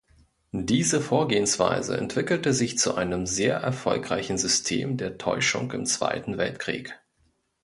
Diese Vorgehensweise entwickelte sich zu einem sehr erfolgreichen System der Täuschung im Zweiten Weltkrieg.